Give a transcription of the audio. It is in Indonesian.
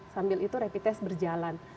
sambil itu rapid test berjalan